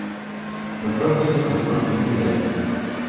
На практыцы кантроль вельмі рэдкі.